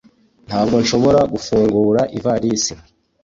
Ntabwo nshobora gufungura ivalisi